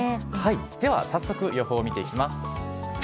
では、早速、予報を見ていきます。